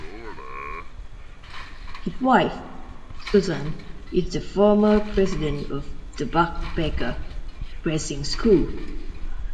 His wife, Susan, is the former president of the Buck Baker Racing School.